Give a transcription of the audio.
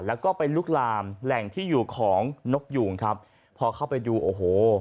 แล้วก็ไปลุกลามแหล่งที่อยู่ของนกยูงครับพอเข้าไปดูโอ้โห